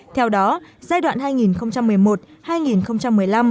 theo đó giai đoạn hai nghìn một mươi một hai nghìn một mươi năm các nhiệm vụ khoa học và công nghệ